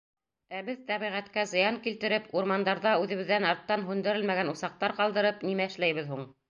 Ә беҙ, тәбиғәткә зыян килтереп, урмандарҙа үҙебеҙҙән арттан һүндерелмәгән усаҡтар ҡалдырып, нимә эшләйбеҙ һуң?